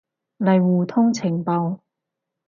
嚟互通情報